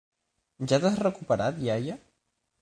Ja t'has recuperat, iaia?